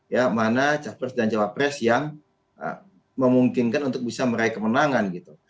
ya mana capres dan cawapres yang memungkinkan untuk bisa meraih kemenangan gitu